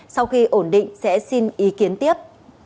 sau khi ổn định sẽ xin ý kiến tiếp